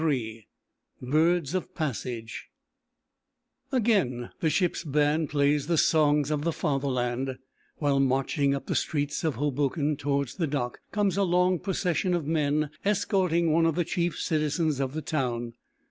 XXIII BIRDS OF PASSAGE Again the ship's band plays the songs of the Fatherland, while marching up the streets of Hoboken towards the dock, comes a long procession of men escorting one of the chief citizens of the town.